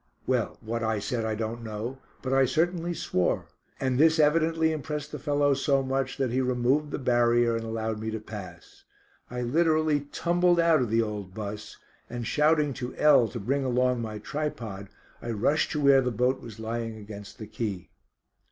Well, what I said I don't know, but I certainly swore, and this evidently impressed the fellow so much that he removed the barrier and allowed me to pass. I literally tumbled out of the old "bus," and shouting to L to bring along my tripod, I rushed to where the boat was lying against the quay.